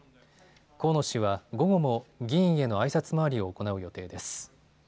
河野氏は午後も議員へのあいさつ回りを行う予定です。